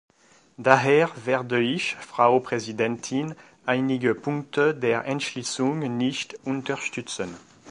Daher werde ich, Frau Präsidentin, einige Punkte der Entschließung nicht unterstützen.